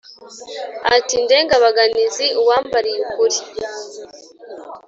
Ati: Ndengabaganizi, uwambaliye ukuli,